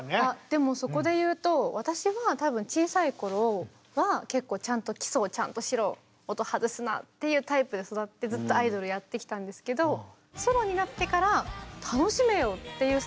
でもそこでいうと私は多分小さい頃は結構ちゃんとっていうタイプで育ってずっとアイドルやってきたんですけどソロになってから楽しめよっていう。